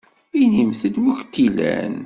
Inimt-d wi kent-ilan!